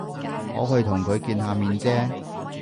我去同佢見下面啫